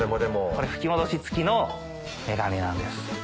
これ吹き戻し付きのめがねなんです。